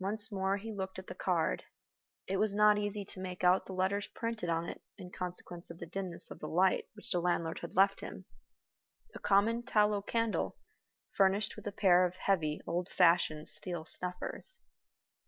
Once more he looked at the card. It was not easy to make out the letters printed on it in consequence of the dimness of the light which the landlord had left him a common tallow candle, furnished with a pair of heavy old fashioned steel snuffers.